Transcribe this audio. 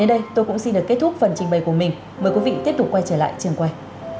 đến đây tôi cũng xin được kết thúc phần trình bày của mình mời quý vị tiếp tục quay trở lại trường quay